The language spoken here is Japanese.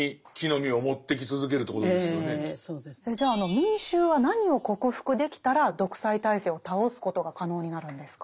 民衆は何を克服できたら独裁体制を倒すことが可能になるんですか？